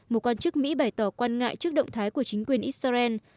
một quan chức mỹ bày tỏ quan ngại trước động thái của chính quyền israel